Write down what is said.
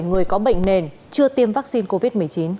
người có bệnh nền chưa tiêm vaccine covid một mươi chín